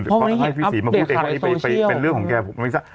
เด็กค่อยโซเชียลเป็นเรื่องของแกไม่ซัก